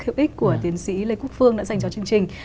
hữu ích của tiến sĩ lê quốc phương đã dành cho chương trình